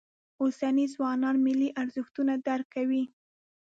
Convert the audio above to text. اوسني ځوانان ملي ارزښتونه درک کوي.